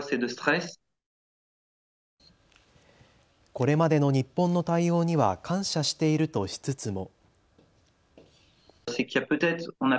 これまでの日本の対応には感謝しているとしつつつも。